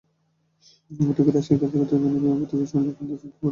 বৈঠকে রাশিয়ার কাছ থেকে অত্যাধুনিক বিমান প্রতিরক্ষা সরঞ্জাম কিনতে চুক্তি করবে ভারত।